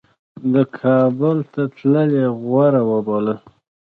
ده کابل ته تلل غوره وبلل.